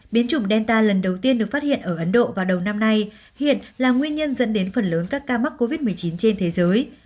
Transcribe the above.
biến chủng delta lần đầu tiên được phát hiện ở ấn độ vào đầu năm nay hiện là nguyên nhân dẫn đến phần lớn các ca mắc covid một mươi chín trên thế giới